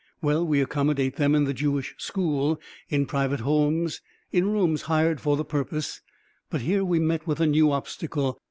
"Well, we accommodate them in the Jewish school, in private homes, in rooms hired for the purpose. But here we met with a new obstacle.